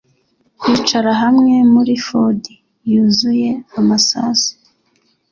kwicara hamwe muri ford yuzuye amasasu